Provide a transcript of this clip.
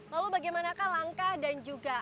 lalu bagaimanakah langkah dan juga